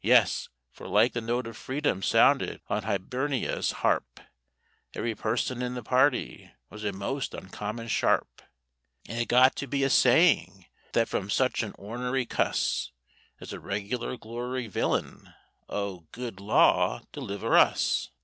Yes, for like the note of freedom sounded on Hibernia's harp, Every person in the party was a most uncommon sharp; And it got to be a saying that from such an ornery cuss As a regular Gloryvillin—oh, good Law deliver us!